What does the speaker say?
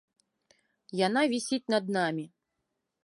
Яна вісіць над намі.